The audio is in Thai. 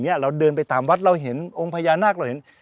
เราเดินไปตามวัดเราเห็นองค์พญานาค